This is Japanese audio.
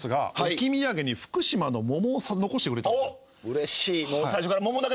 うれしい。